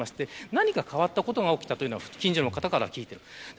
何か変わったことが起きたというのは近所の方から聞いています。